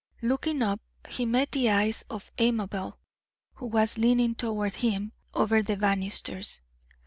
Looking up, he met the eyes of Amabel, who was leaning toward him over the banisters.